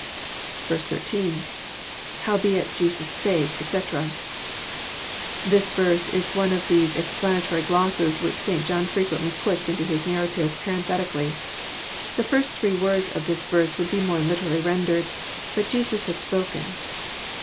IS. ^lHovobeit Jeam spake, etcJ] This verse is one of those ex planatory glosses which St. John frequently puts into his nar rative parenthetically. The three first words of the verse would be more literally rendered, '* But Jesus had spojt^en."